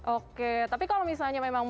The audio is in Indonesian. oke tapi kalau misalnya memang